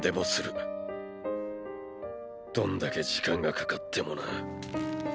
どんだけ時間がかかってもな。